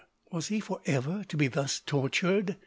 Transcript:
was he for ever to be thus tor tured